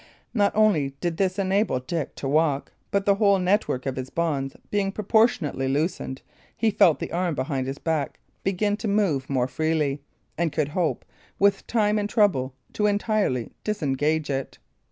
Not only did this enable Dick to walk; but the whole network of his bonds being proportionately loosened, he felt the arm behind his back begin to move more freely, and could hope, with time and trouble, to entirely disengage it.